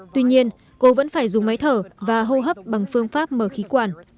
tuy nhiên cô vẫn phải dùng máy thở và hô hấp bằng phương pháp mở khí quản